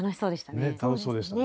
ね楽しそうでしたね。